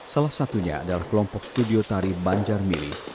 salah satunya adalah kelompok studio tari banjar milik